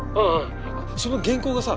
その原稿がさ